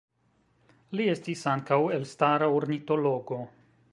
Li estis ankaŭ elstara ornitologo.